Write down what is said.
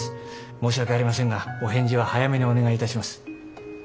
申し訳ありませんがお返事は早めにお願いいたします。